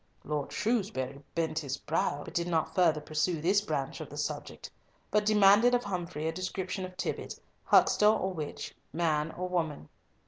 Lord Shrewsbury bent his brow, but did not further pursue this branch of the subject, but demanded of Humfrey a description of Tibbott, huckster or witch, man or woman.